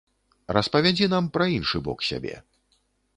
Распавядзі нам пра іншы бок сябе.